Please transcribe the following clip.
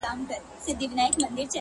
ه بيا دي ږغ کي يو عالم غمونه اورم؛